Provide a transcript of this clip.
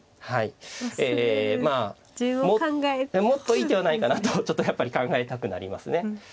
もっといい手はないかなとちょっとやっぱり考えたくなりますね。